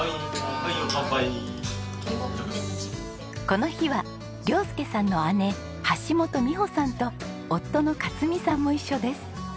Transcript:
この日は亮佑さんの姉橋本美穂さんと夫の克美さんも一緒です。